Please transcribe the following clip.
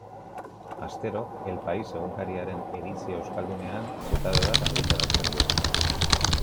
Astero El Pais egunkariaren edizio euskaldunean zutabe bat argitaratzen du.